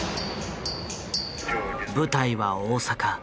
舞台は大阪。